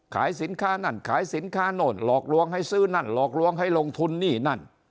ขายสินค้านั่นขายสินค้าโน่นหลอกลวงให้ซื้อนั่นหลอกลวงให้ลงทุนนี่นั่น